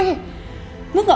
nanti aku mau ke rumah